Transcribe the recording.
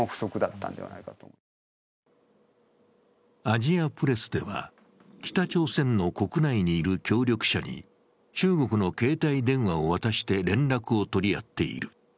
アジアプレスでは、北朝鮮の国内にいる協力者に中国の携帯電話を渡して連絡を取り合っている。